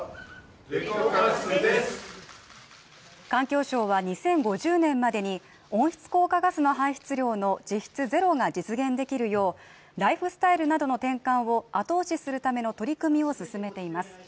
環境省は２０５０年までに温室効果ガスの排出量の実質ゼロが実現できるよう、ライフスタイルなどの転換を後押しするための取り組みを進めています。